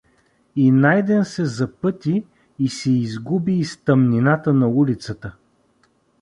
И Найден се запъти и се изгуби из тъмнината на улицата.